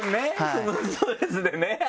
そのストレスでね。